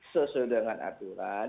sesuai dengan aturan